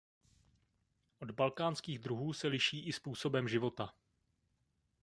Od balkánských druhů se liší i způsobem života.